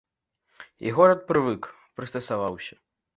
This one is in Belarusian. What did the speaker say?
І горад прывык, прыстасаваўся.